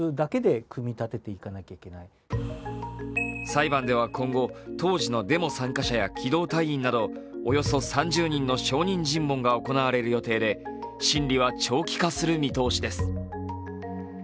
裁判では今後、当時のデモ参加者や機動隊員などおよそ３０人の証人尋問が行われる予定で審理は長期化する見通しです。